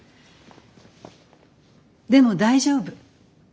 でも大丈夫。